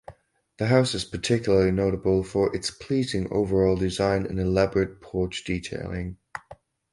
The house is particularly notable for its pleasing overall design and elaborate porch detailing.